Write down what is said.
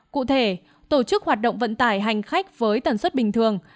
cụ thể tổ chức hoạt động vận tải hành khách với tần suất bình thường